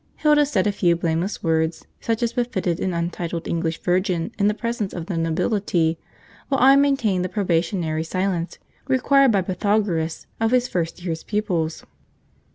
Hilda said a few blameless words, such as befitted an untitled English virgin in the presence of the nobility; while I maintained the probationary silence required by Pythagoras of his first year's pupils.